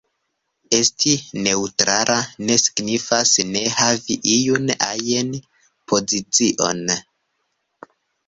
Esti “neǔtrala” ne signifas ne havi iun ajn pozicion.